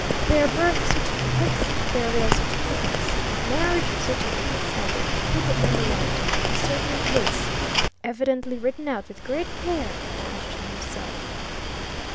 They're birth certificates, burial certificates, marriage certificates, and a complete memorandum of a certain case, evidently written out with great care by Ashton himself.